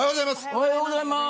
おはようございます。